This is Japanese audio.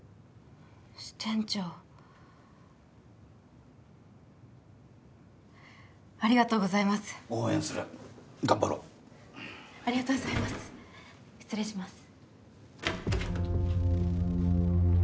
支店長ありがとうございます応援する頑張ろうありがとうございます失礼します